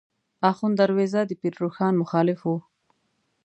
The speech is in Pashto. آخوند دروېزه د پیر روښان مخالف و.